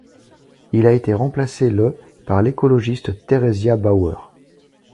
Il a été remplacé le par l'écologiste Theresia Bauer.